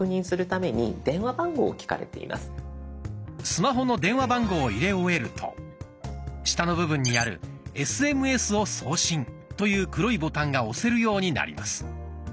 スマホの電話番号を入れ終えると下の部分にある「ＳＭＳを送信」という黒いボタンが押せるようになります。